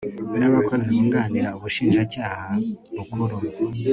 n Abakozi bunganira Ubushinjacyaha Bukuru